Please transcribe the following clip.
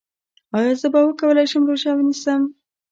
ایا زه به وکولی شم روژه ونیسم؟